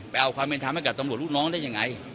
เอาความเป็นธรรมให้กับตำรวจลูกน้องได้ยังไง